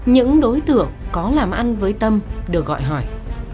những đối tượng có làm ăn với tâm được gọi hỏi